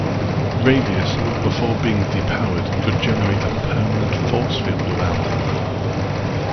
Radius, before being depowered, could generate a permanent force field around him.